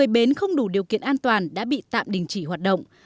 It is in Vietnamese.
một mươi bến không đủ điều kiện an toàn đã bị tạm đình chỉ hoạt động